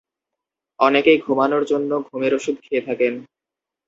অনেকেই ঘুমানোর জন্য ঘুমের ওষুধ খেয়ে থাকেন।